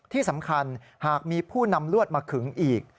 ที่สำคัญหากมีผู้นำลวดมาขึงอีก